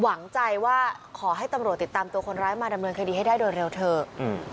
หวังใจว่าขอให้ตำรวจติดตามตัวคนร้ายมาดำเนินคดีให้ได้โดยเร็วเถอะอืม